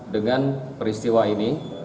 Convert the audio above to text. dengan peristiwa ini